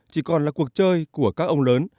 chỉ còn là cuộc chơi của các ông lớn